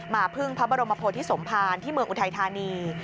มาพึ่งพระบรมพ์ที่สมพานที่เมืองอุทัยธานี